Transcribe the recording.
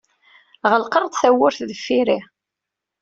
Ɣelqeɣ-d tawwurt deffir-i.